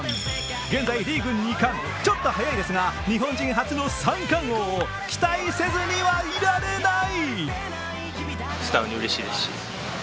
現在リーグ２冠、ちょっと早いですが日本人初の三冠王を期待せずにはいられない！